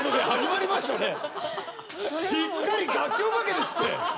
しっかりがちお化けですって。